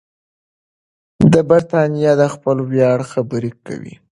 برتانیه د خپل ویاړ خبرې کوي.